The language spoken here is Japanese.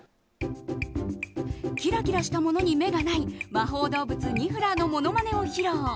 キラキラしたものに目がない魔法動物ニフラーのモノマネを披露。